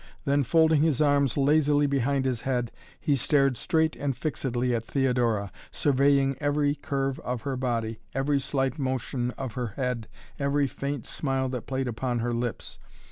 Then, folding his arms lazily behind his head, he stared straight and fixedly at Theodora, surveying every curve of her body, every slight motion of her head, every faint smile that played upon her lips.